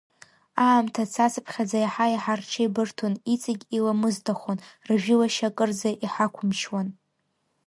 Аамҭа цацԥхьаӡа, иаҳа-иаҳа рҽеибырҭон, иҵегь иламысдахон, ржәылашьа акырӡа иҳақәымчуан.